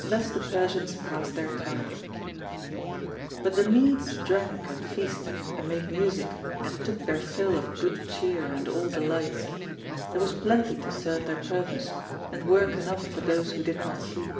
Thus the Persians passed their time. But the Medes drank and feasted and made music and took their fill of good cheer and all delights; there was plenty to serve their purpose, and work enough for those who did not sleep.